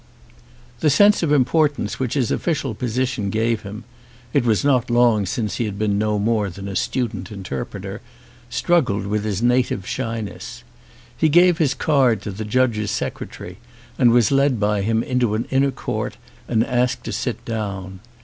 The sense of importance which his official position gave him (it was not long since he had been no more than a student interpreter) struggled with his native shyness. He gave his card to the judge's secretary and was led by him into an inner court and asked to sit down.